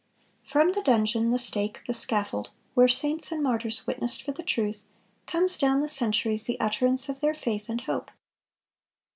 (466) From the dungeon, the stake, the scaffold, where saints and martyrs witnessed for the truth, comes down the centuries the utterance of their faith and hope.